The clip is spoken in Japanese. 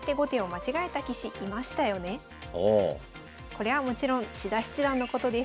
これはもちろん千田七段のことです。